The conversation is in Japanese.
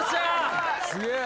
すげえ。